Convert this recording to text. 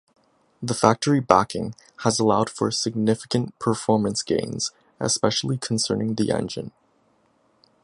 The factory backing has allowed for significant performance gains, especially concerning the engine.